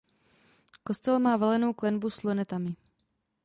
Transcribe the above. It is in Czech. Kostel má valenou klenbu s lunetami.